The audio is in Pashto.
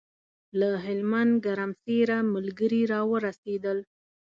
له هلمند ګرمسېره ملګري راورسېدل.